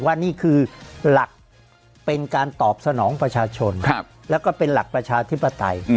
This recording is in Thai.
ว่านี่คือหลักเป็นการตอบสนองประชาชนแล้วก็เป็นหลักประชาธิปไตย